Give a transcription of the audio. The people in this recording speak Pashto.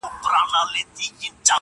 پر سر وا مي ړوه یو مي سه تر سونډو,